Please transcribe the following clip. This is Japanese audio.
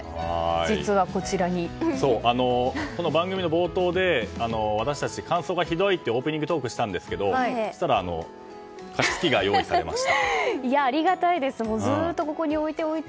番組の冒頭で私たち、乾燥がひどいとオープニングトークしたんですけどそうしたら加湿器が用意されました。